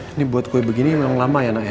ini buat kue begini memang lama ya nak ya